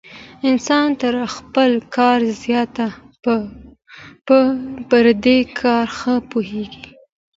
انسان تر خپل کار زیات په پردي کار ښه پوهېږي.